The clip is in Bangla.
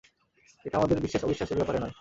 এটা আমাদের বিশ্বাস অবিশ্বাসের ব্যাপারে নয়।